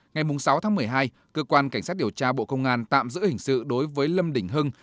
ngày sáu tháng một mươi hai cơ quan cảnh sát điều tra bộ công an tạm giữ hình sự đối với lâm đình hưng